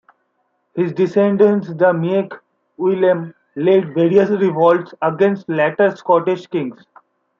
His descendants the Meic Uilleim led various revolts against later Scottish kings.